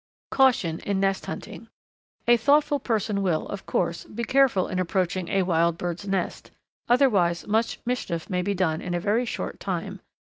Caution in Nest Hunting. A thoughtful person will, of course, be careful in approaching a wild bird's nest, otherwise much mischief may be done in a very short time.